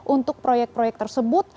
untuk proyek proyek tersebut